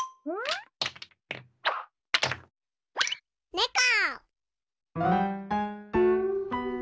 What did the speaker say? ねこ！